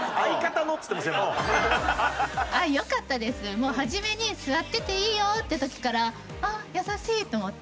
もう始めに「座ってていいよ」って時からあっ優しいと思って。